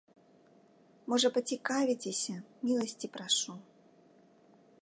Можа, пацікавіцеся, міласці прашу.